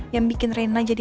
yang bikin reina jadi